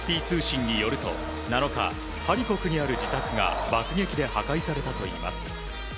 ＡＦＰ通信によると７日ハリコフにある自宅が爆撃で破壊されたといいます。